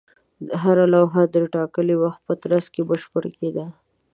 هره لوحه د ټاکلي وخت په ترڅ کې بشپړه کېده.